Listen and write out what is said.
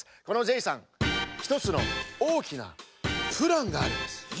このジェイさんひとつのおおきなプランがあるんです。